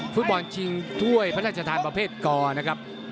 ฟุตบอลชิงถ้วยพระราชทานประเภทกนะครับ